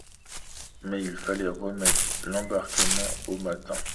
Mais il fallait remettre l’embarquement au matin.